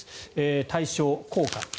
対象・効果。